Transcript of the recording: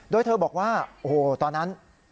โดยเธอบอกว่าโอ้โหตอนนั้น